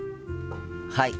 はい。